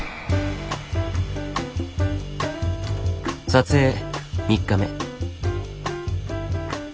撮影３日目。